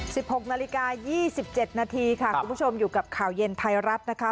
หกนาฬิกายี่สิบเจ็ดนาทีค่ะคุณผู้ชมอยู่กับข่าวเย็นไทยรัฐนะคะ